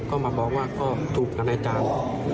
ก็มาบอกว่าก็ถูกอาณาจารย์